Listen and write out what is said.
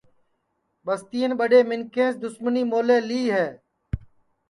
ٻستِین ٻڈؔے منکھینٚس دُسمنی مولے لی ہے